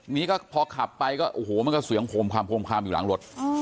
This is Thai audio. นี่ก็พอขับไปก็โอ้โหมันก็เสียงโคมความโคมคามอยู่หลังรถ